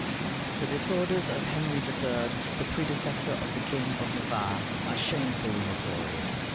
The disorders of Henry III., the predecessor of the King of Navarre, are shamefully notorious.